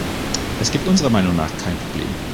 Es gibt unserer Meinung nach kein Problem.